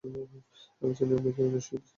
আমি জানি আপনি একজন শিল্পী!